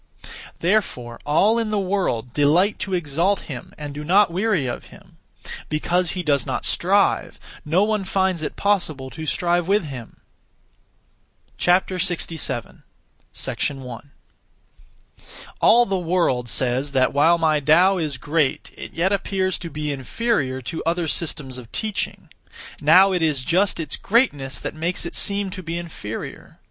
Therefore all in the world delight to exalt him and do not weary of him. Because he does not strive, no one finds it possible to strive with him. 67. 1. All the world says that, while my Tao is great, it yet appears to be inferior (to other systems of teaching). Now it is just its greatness that makes it seem to be inferior.